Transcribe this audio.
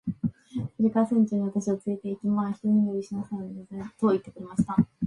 それから船長室に私をつれて行き、「まあ一寝入りしなさるんですね。」と言ってくれました。